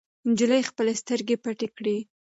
نجلۍ خپلې سترګې پټې کړې.